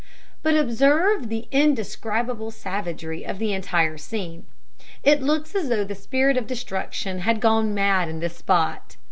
But observe the indescribable savagery of the entire scene. It looks as though the spirit of destruction had gone mad in this spot.